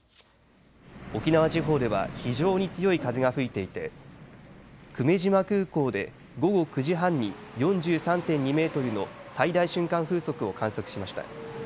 沖縄地方では非常に強い風が吹いていて久米島空港で午後９時半に４３．２メートルの最大瞬間風速を観測しました。